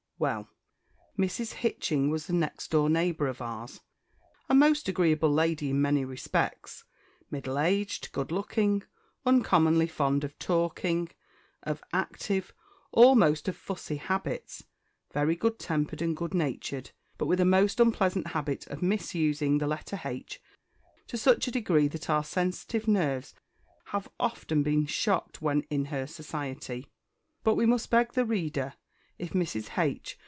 Well, this Mrs. Hitching was a next door neighbour of ours a most agreeable lady in many respects, middle aged, good looking, uncommonly fond of talking, of active, almost of fussy habits, very good tempered and good natured, but with a most unpleasant habit of misusing the letter H to such a degree that our sensitive nerves have often been shocked when in her society. But we must beg the reader, if Mrs. H.